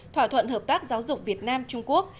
thỏa thuận hợp tác giáo dục việt nam trung quốc